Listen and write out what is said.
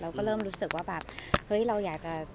เราก็เริ่มรู้สึกว่าแบบเฮ้ยเราอยากจะ